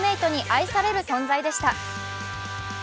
愛される存在でした。